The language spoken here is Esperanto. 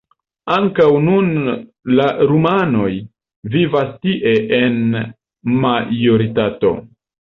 Ankaŭ nun la rumanoj vivas tie en majoritato.